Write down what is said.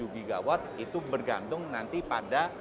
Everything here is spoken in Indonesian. tiga tujuh gigawatt itu bergantung nanti pasangannya